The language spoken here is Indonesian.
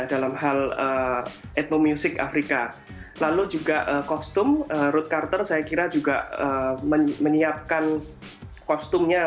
dalam hal etnomusik afrika lalu juga kostum ruth carter saya kira juga menyiapkan kostumnya